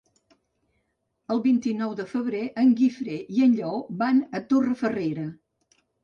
El vint-i-nou de febrer en Guifré i en Lleó van a Torrefarrera.